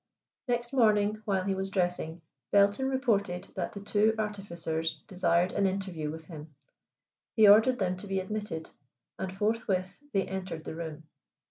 Next morning, while he was dressing, Belton reported that the two artificers desired an interview with him. He ordered them to be admitted, and forthwith they entered the room.